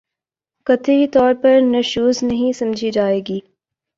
قطعی طور پر نشوزنہیں سمجھی جائے گی